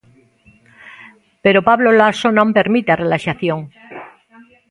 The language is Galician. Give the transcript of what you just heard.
Pero Pablo Laso non permite a relaxación.